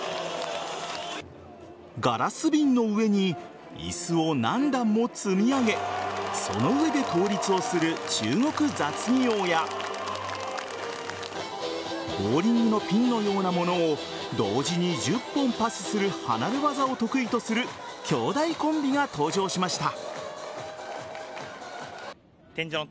ガラス瓶の上に椅子を何段も積み上げその上で倒立をする中国雑技王やボウリングのピンのようなものを同時に１０本パスする離れ業を得意とする兄弟コンビが登場しました。